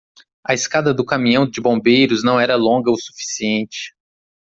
A escada do caminhão de bombeiros não era longa o suficiente.